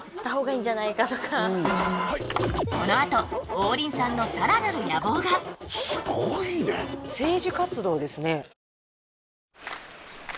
みんなでこのあと王林さんのさらなる野望がすごいね政治活動ですね